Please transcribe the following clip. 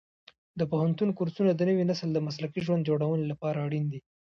د پوهنتون کورسونه د نوي نسل د مسلکي ژوند جوړونې لپاره اړین دي.